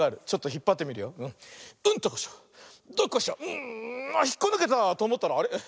うん。あっひっこぬけた！とおもったらあれ？